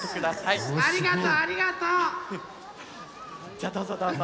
じゃどうぞどうぞ。